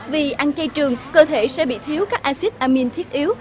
vì ăn chay trường cơ thể sẽ bị thiếu các acid amin thiết yếu